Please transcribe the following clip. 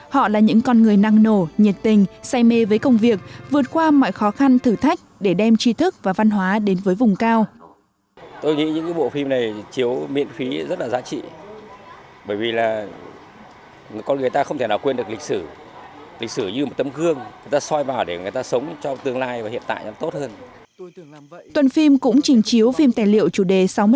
hãy đăng ký kênh để ủng hộ kênh của chúng mình nhé